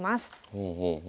ほうほうほう。